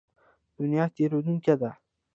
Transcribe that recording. دنیا تېرېدونکې ده.